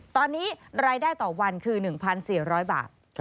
ตอนนี้รายได้ต่อวันคือ๑๔๐๐บาท